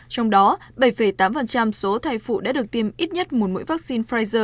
trong đó bảy tám số thai phụ đã được tiêm ít nhất một mũi vaccine pfizer